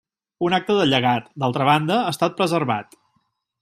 Un acte de llegat, d'altra banda, ha estat preservat.